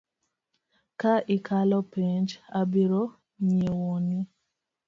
Ka ikalo penj abiro nyiewoni .